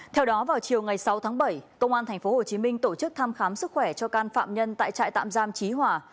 theo đó vào chiều ngày sáu tháng bảy công an tp hcm tổ chức thăm khám sức khỏe cho can phạm nhân tại trại tạm giam trí hỏa